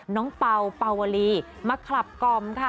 น้องเป่าเป่าวลีมาคลับกอมค่ะ